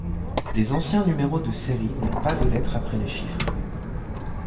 Les anciens numéro de série n'ont pas de lettres après les chiffres.